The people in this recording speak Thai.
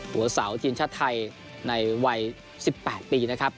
หัวเสาทีมชาติไทยในวัย๑๘ปีนะครับ